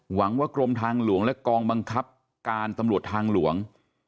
หวังว่ากรมทางหลวงและกองบังคับการตำรวจทางหลวง